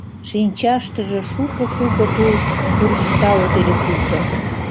Шинчаштыже шуко-шуко тул куржталыт ыле пуйто.